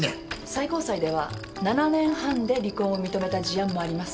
最高裁では７年半で離婚を認めた事案もあります。